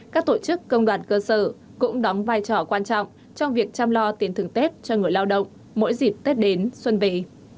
các tổ chức công đoàn cơ sở cũng đóng vai trò quan trọng trong việc chăm lo tiền thưởng tết cho người lao động mỗi dịp tết đến xuân về